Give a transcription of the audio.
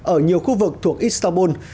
ở nhiều khu vực thuộc istanbul